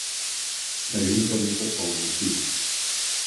Herr Juncker, wir vertrauen auf Sie.